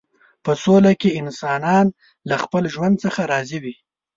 په سوله کې انسانان له خپل ژوند څخه راضي وي.